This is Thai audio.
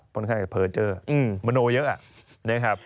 ค่อนข้างจะเผลอเจ้อมโนเยอะ